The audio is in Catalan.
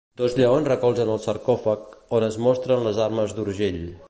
Dos lleons recolzen el sarcòfag, on es mostren les armes d'Urgell.